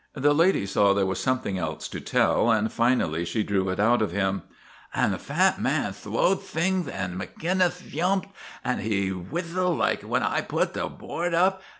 The lady saw there was something else to tell, and finally she drew it out of him. " An' the fat man thwowed thingth an' Magin nith yumped. An' he whithled like when I put the board up.